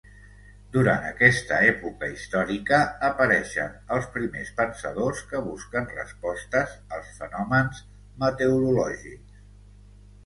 Durant aquesta època històrica apareixen els primers pensadors que busquen respostes als fenòmens meteorològics.